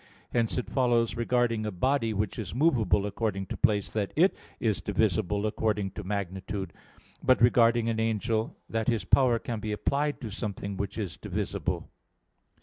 Hence it follows regarding a body which is movable according to place, that it is divisible according to magnitude; but regarding an angel, that his power can be applied to something which is divisible.